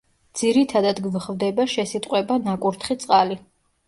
ძირითადად გვხვდება შესიტყვება „ნაკურთხი წყალი“.